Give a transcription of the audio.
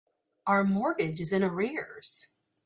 Our mortgage is in arrears.